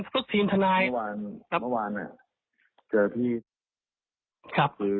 ก็พึ่งบีตหนายครับพอวานพอวานอ่ะเจอพี่ครับ